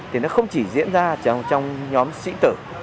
thì nó không chỉ diễn ra chẳng trong nhóm sĩ tử